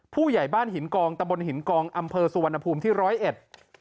ผู้ใหญ่บ้านหินกองตะบนหินกองอำเภอสุวรรณภูมิที่ร้อยเอ็ด